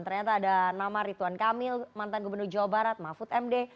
ternyata ada nama rituan kamil mantan gubernur jawa barat mahfud md